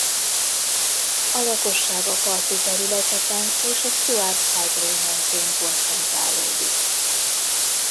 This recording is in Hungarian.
A lakosság a parti területeken és a Stuart Highway mentén koncentrálódik.